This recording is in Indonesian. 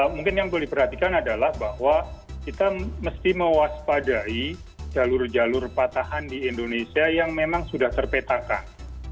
mungkin yang boleh diperhatikan adalah bahwa kita mesti mewaspadai jalur jalur patahan di indonesia yang memang sudah terpetakan